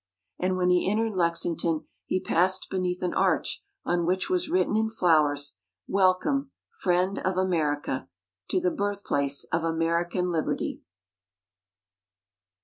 _ And when he entered Lexington, he passed beneath an arch on which was written in flowers: _Welcome! Friend of America! To the Birthplace of American Liberty.